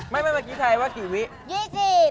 ไม่แบบที่ใส่ว่าสี่วิ